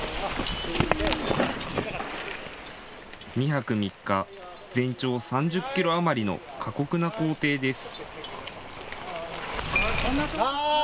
２泊３日、全長３０キロ余りの過酷な行程です。